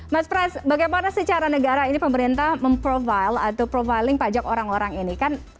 mas pras bagaimana secara negara ini pemerintah memprofile atau profiling pajak orang orang ini